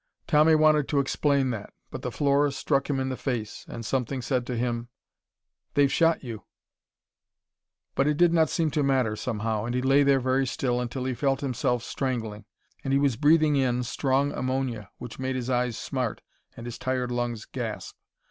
Tommy wanted to explain that. But the floor struck him in the face, and something said to him: "They've shot you." But it did not seem to matter, somehow, and he lay very still until he felt himself strangling, and he was breathing in strong ammonia which made his eyes smart and his tired lungs gasp.